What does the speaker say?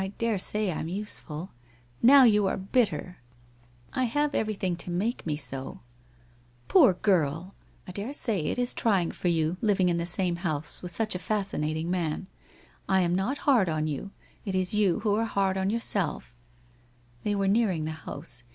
1 1 daresay I'm useful/ ' Now you are bitter/ * I have everything to make me so/ ' Poor girl ! I daresay it is trying for you, living in the same house with such a fascinating man. I am not hard on you, it is you who are hard on yourself ' They were nearing the house.